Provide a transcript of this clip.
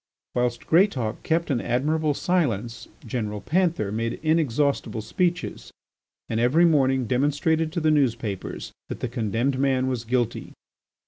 Whilst Greatauk kept an admirable silence, General Panther made inexhaustible speeches and every morning demonstrated in the newspapers that the condemned man was guilty.